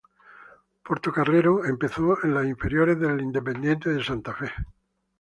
Portocarrero empezó en las inferiores de Independiente Santa Fe.